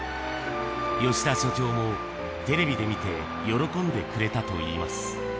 吉田所長も、テレビで見て喜んでくれたといいます。